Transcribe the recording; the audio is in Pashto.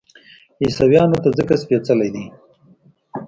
عیسویانو ته ځکه سپېڅلی دی.